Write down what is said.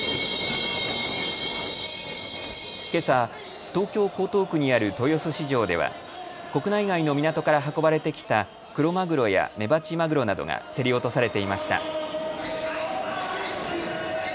けさ、東京江東区にある豊洲市場では国内外の港から運ばれてきたクロマグロやメバチマグロなどが競り落とされていました。